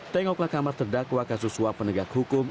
tengoklah kamar terdakwa kasus suap penegak hukum